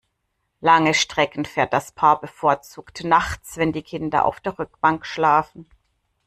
Lange Strecken fährt das Paar bevorzugt nachts, wenn die Kinder auf der Rückbank schlafen.